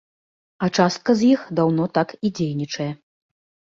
А частка з іх даўно так і дзейнічае.